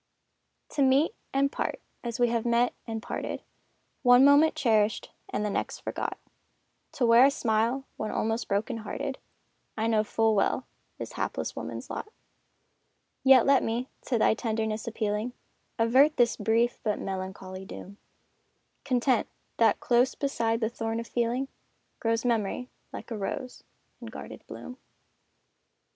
To meet, and part, as we have met and parted, One moment cherished and the next forgot, To wear a smile when almost broken hearted, I know full well is hapless woman's lot; Yet let me, to thy tenderness appealing, Avert this brief but melancholy doom Content that close beside the thorn of feeling, Grows memory, like a rose, in guarded bloom.